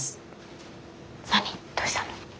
どうしたの？